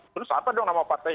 terus apa dong nama partai